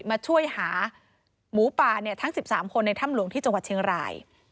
มาช่วยหาหมูป่าทั้ง๑๓คนในถ้ำหลวงที่จังหวัดเชียงราย